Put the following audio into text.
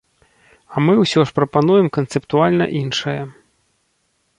А мы ўсе ж прапануем канцэптуальна іншае.